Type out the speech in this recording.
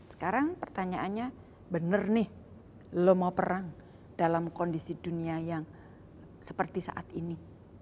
sekarang pertanyaannya bener nih lo mau perang dalam kondisi dunia yang seperti saat ini